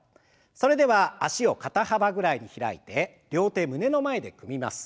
それでは脚を肩幅ぐらいに開いて両手胸の前で組みます。